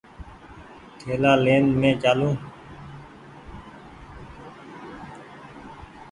ٿيلآ لين مينٚ چآلون